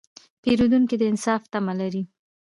پیرودونکی د انصاف تمه لري.